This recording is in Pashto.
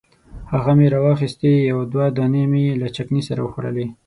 هغه مې راواخیستې یو دوه دانې مې له چکني سره وخوړلې.